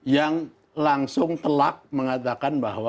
yang langsung telak mengatakan bahwa